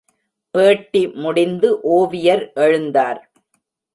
பேட்டி முடிந்து ஒவியர் எழுந்தார்.